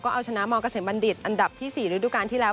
เอาชนะมเกษมบัณฑิตอันดับที่๔ฤดูการที่แล้ว